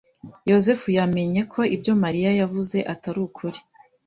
Yozefu yamenye ko ibyo Mariya yavuze atari ukuri.